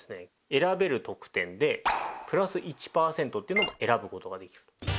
選べる特典で「＋１％」っていうのも選ぶことができる